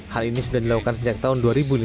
hal ini sudah dilakukan sejak tahun dua ribu lima belas